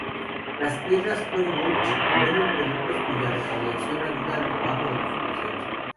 Las tiendas "Tory Burch" venden productos cuya recaudación ayuda al trabajo de la fundación.